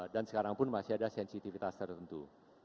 dan sekarang pun masih ada sensitivitas tertentu